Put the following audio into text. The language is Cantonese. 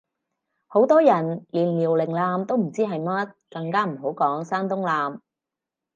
好多人連遼寧艦都唔知係乜，更加唔好講山東艦